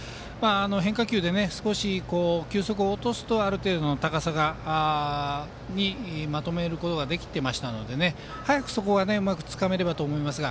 変化球で少し球速を落とすとある程度の高さにまとめることができていましたので早くそこがうまくつかめればと思いますが。